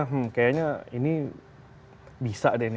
hmm kayaknya ini bisa deh ini